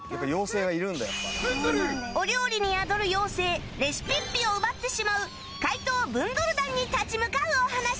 お料理に宿る妖精レシピッピを奪ってしまう怪盗ブンドル団に立ち向かうお話